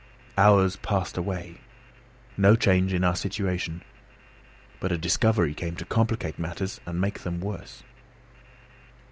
Hours passed away. No change in our situation; but a discovery came to complicate matters and make them worse.